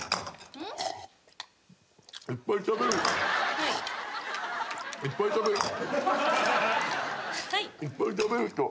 うん？いっぱい食べる人は。